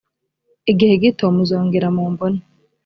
igihe gito muzongera mumbone